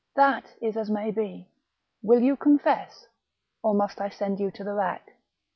" That is as may be ; will you confess, or must I send you to the rack